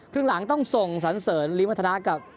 ครึ่งหลังต้องส่งสรรเสริมริมทะนะกับ